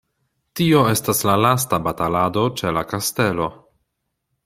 Tio estas la lasta batalado ĉe la kastelo.